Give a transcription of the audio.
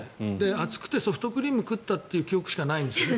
暑くてソフトクリームを食ったという記憶しかないんですね。